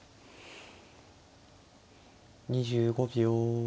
２５秒。